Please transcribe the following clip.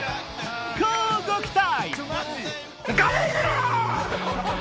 乞うご期待！